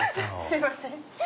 すいません。